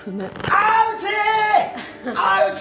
アウチ！